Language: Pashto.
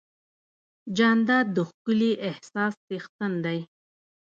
جانداد د ښکلي احساس څښتن دی.